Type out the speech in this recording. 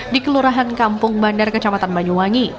di kelurahan kampung bandar kecamatan banyuwangi